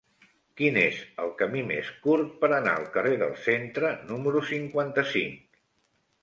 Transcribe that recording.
Quin és el camí més curt per anar al carrer del Centre número cinquanta-cinc?